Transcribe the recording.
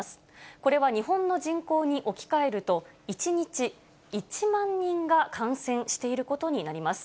これは日本の人口に置き換えると、１日１万人が感染していることになります。